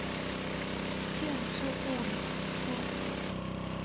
县治布里斯托。